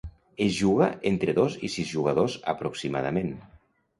Es juga entre dos i sis jugadors, aproximadament.